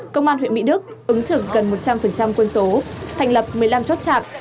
công an huyện mỹ đức ứng trực gần một trăm linh quân số thành lập một mươi năm chốt chạm